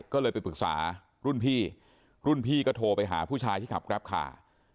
ก็เลยไปปรึกษารุ่นพี่รุ่นพี่ก็โทรไปหาผู้ชายที่ขับแกรปคาร์